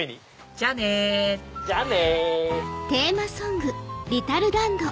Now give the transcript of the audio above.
じゃあねじゃあね！